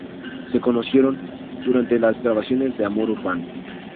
Se conocieron durante las grabaciones de Amor Urbano.